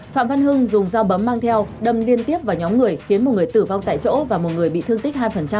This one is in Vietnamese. phạm văn hưng dùng dao bấm mang theo đâm liên tiếp vào nhóm người khiến một người tử vong tại chỗ và một người bị thương tích hai